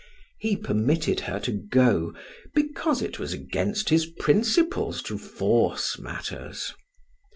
He permitted her to go, because it was against his principles to force matters.